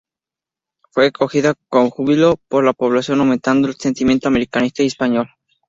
Fue acogida con júbilo por la población, aumentando el sentimiento americanista y español.